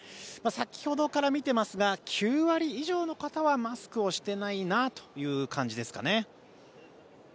先ほどから見ていますが９割以上の方はマスクをしてないなという感じですかね。